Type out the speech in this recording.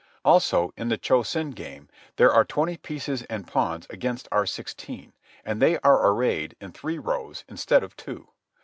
Also, in the Cho Sen game, there are twenty pieces and pawns against our sixteen, and they are arrayed in three rows instead of two.